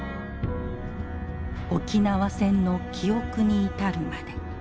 沖縄戦の記憶に至るまで。